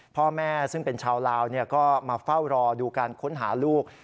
พ่อแม่ซึ่งเป็นชาวลาวก็มาเฝ้ารอดูการค้นหาลูก